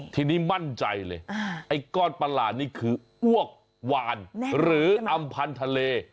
ทีนี้มั่นใจเลยไอ้ก้อนประหลาดนี่คืออ้วกวานหรืออำพันธ์ทะเล